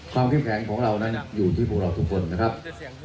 ความเค็มแข็งของเรานั้นอยู่ที่ปุ่นเราทุกคนนะครับ